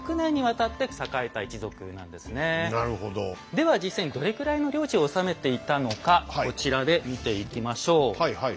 では実際にどれくらいの領地を治めていたのかこちらで見ていきましょう。